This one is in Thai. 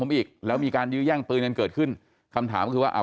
ผมอีกแล้วมีการยื้อแย่งปืนกันเกิดขึ้นคำถามก็คือว่าเอา